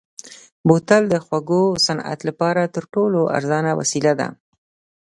بوتل د خوړو صنعت لپاره تر ټولو ارزانه وسیله ده.